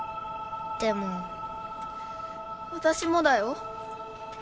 でも私もだよ